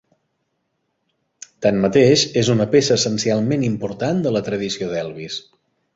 Tanmateix, és una peça essencialment important de la tradició d'Elvis.